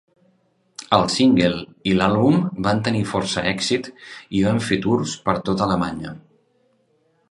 El single i l"àlbum van tenir força èxit i van fer tours per tota Alemanya.